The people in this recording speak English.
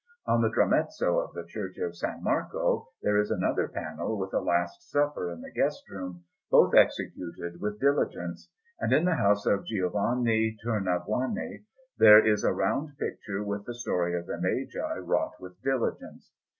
On the tramezzo of the Church of S. Marco there is another panel, with a Last Supper in the guest room, both executed with diligence; and in the house of Giovanni Tornabuoni there is a round picture with the Story of the Magi, wrought with diligence.